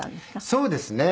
そうですね。